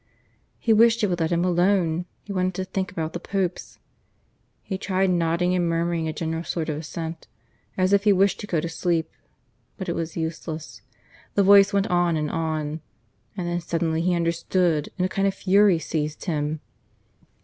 He wished it would let him alone. He wanted to think about the Popes. He tried nodding and murmuring a general sort of assent, as if he wished to go to sleep; but it was useless: the voice went on and on. And then suddenly he understood, and a kind of fury seized him.